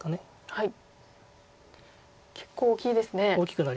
はい。